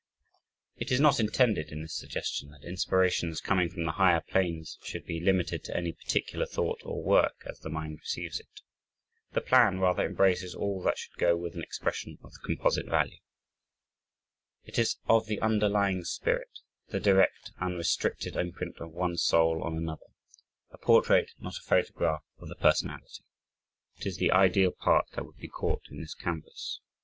It is not intended in this suggestion that inspirations coming from the higher planes should be limited to any particular thought or work, as the mind receives it. The plan rather embraces all that should go with an expression of the composite value. It is of the underlying spirit, the direct unrestricted imprint of one soul on another, a portrait, not a photograph of the personality it is the ideal part that would be caught in this canvas.